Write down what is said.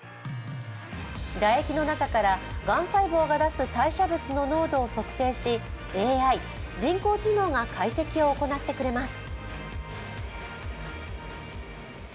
唾液の中からがん細胞が出す代謝物の濃度を測定し、ＡＩ＝人工知能が解析を行ってくれます。